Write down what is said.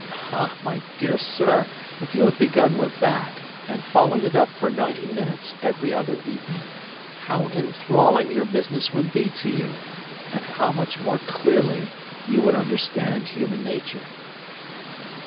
Ah, my dear sir, if you had begun with that, and followed it up for ninety minutes every other evening, how enthralling your business would be to you, and how much more clearly you would understand human nature.